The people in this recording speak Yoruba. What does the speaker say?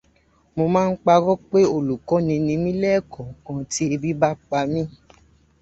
Mo máa ń parọ́ pé olùkọ́ni ni mí lẹ́ẹ̀kọ̀kan tí ebi bá pa mí